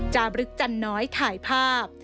จาบรึกจันน้อยถ่ายภาพ